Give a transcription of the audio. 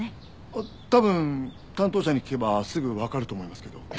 多分担当者に聞けばすぐわかると思いますけど。